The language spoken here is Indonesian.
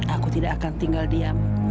aku tidak akan tinggal diam